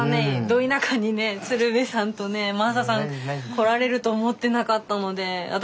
ど田舎にね鶴瓶さんとね真麻さん来られると思ってなかったので私